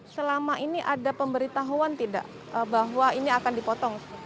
selama ini ada pemberitahuan tidak bahwa ini akan dipotong